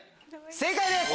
正解です！